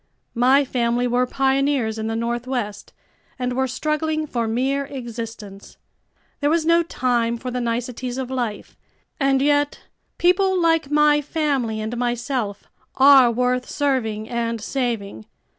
My family were pioneers in the Northwest and were struggling for mere existence. There was no time for the niceties of life. And yet, people like my family and myself are worth serving and saving.